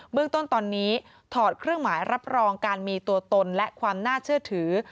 เรื่องต้นตอนนี้ถอดเครื่องหมายรับรองการมีตัวตนและความน่าเชื่อถือ